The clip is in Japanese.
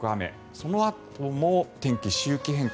そのあとも天気、周期変化。